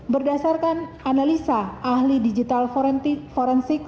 berdasarkan analisa ahli digital forensik forensik